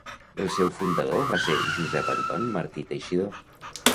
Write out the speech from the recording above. El seu fundador va ser Josep Anton Martí Teixidor.